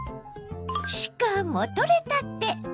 しかもとれたて。